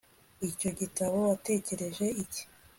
Icyo gitabo watekereje iki